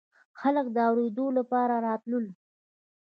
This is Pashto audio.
خلق د اورېدو دپاره راتللو